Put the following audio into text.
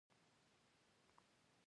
زړه د هيلو په لاره منډې وهي.